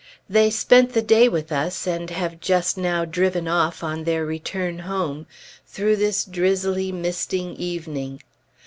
They spent the day with us, and have just now driven off on their return home, through this drizzly, misting evening.